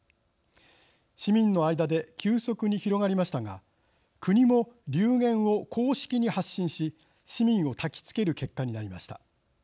市民の間で急速に広がりましたが国も流言を公式に発信し市民をたきつける結果になりました。